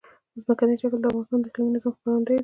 ځمکنی شکل د افغانستان د اقلیمي نظام ښکارندوی ده.